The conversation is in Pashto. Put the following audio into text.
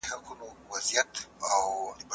سیاسي پېښې تل یو ډول نه وي.